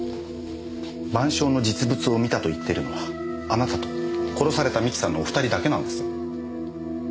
『晩鐘』の実物を見たと言っているのはあなたと殺された三木さんのお二人だけなんです。